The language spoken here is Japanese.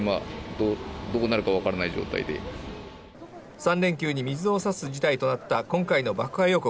３連休に水を差す事態となった今回の爆破予告。